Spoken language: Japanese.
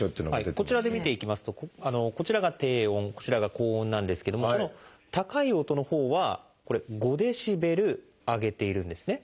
こちらで見ていきますとこちらが低音こちらが高音なんですけどもこの高い音のほうはこれ５ｄＢ上げているんですね。